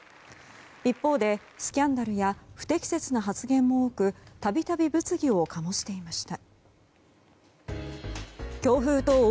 一方で、スキャンダルや不適切な発言も多く度々、物議を醸していました。